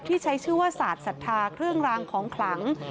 ที่ใช้ชื่อว่าสาธสัทธาเครื่องรางของขลัง